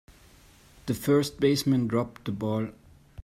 The first baseman dropped the ball.